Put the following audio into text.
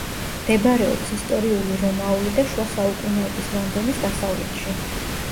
მდებარეობს ისტორიული რომაული და შუა საუკუნეების ლონდონის დასავლეთში.